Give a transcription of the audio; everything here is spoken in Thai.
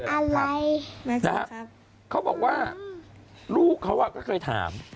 อะไรนะครับเขาบอกว่าลูกเขาก็เคยถาม